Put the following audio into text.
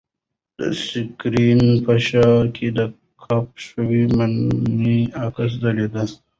د سکرین په شاه کې د کپ شوې مڼې عکس ځلېده.